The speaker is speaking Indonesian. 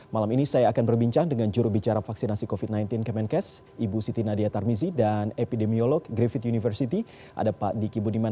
malam ini saya akan berbincang dengan jurubicara vaksinasi covid sembilan belas kemenkes ibu siti nadia tarmizi dan epidemiolog griffith university ada pak diki budiman